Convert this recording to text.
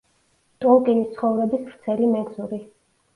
ტოლკინის ცხოვრების ვრცელი მეგზური.